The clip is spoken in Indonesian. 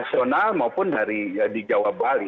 nasional maupun dari di jawa bali